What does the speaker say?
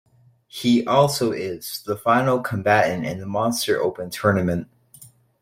He also is the final combatant in the Monster open Tournament.